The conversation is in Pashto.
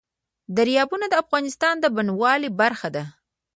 دریابونه د افغانستان د بڼوالۍ برخه ده.